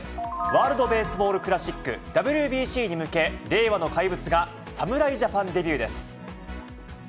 ワールドベースボールクラシック・ＷＢＣに向け、令和の怪物が侍ジャパンデビューです。